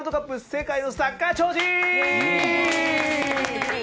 世界のサッカー超人！」。